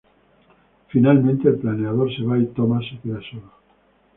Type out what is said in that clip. Finalmente el planeador se va, y Thomas se queda solo.